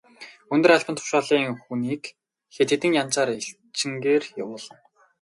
Өндөр албан тушаалын хүнийг хэд хэдэн янзаар элчингээр явуулна.